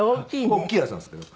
大きいやつなんですけど。